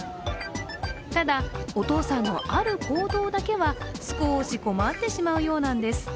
ただ、お父さんの、ある行動だけは少し困ってしまうようなんです。